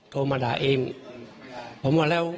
ก็เลยขับรถไปมอบตัว